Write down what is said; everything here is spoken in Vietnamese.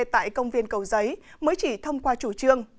tại công viên cầu giấy mới chỉ thông qua chủ trương